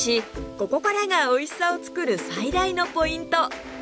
ここからがおいしさを作る最大のポイント！